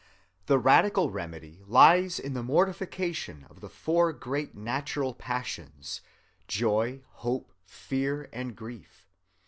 "The radical remedy lies in the mortification of the four great natural passions, joy, hope, fear, and grief.